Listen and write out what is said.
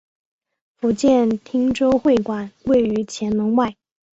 福建汀州会馆位于前门外。